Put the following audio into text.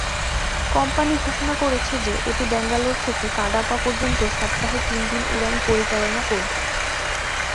Company ঘোষণা করেছে যে এটি ব্যাঙ্গালোর থেকে কাডাপা পর্যন্ত সপ্তাহে তিনদিন উড়ান পরিচালনা করবে।